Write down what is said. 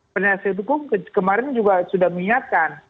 penasihat hukum kemarin juga sudah mengingatkan